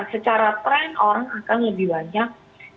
secara tren orang akan lebih banyak